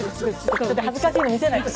ちょっと恥ずかしいの見せないで。